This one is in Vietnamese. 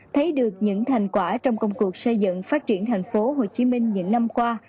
thấy được những thành quả trong công cuộc xây dựng phát triển thành phố hồ chí minh những năm qua